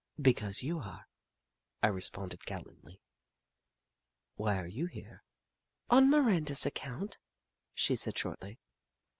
" Because you are," I responded, gallantly. " Why are you here ?"" On Miranda's account," she said, shortly.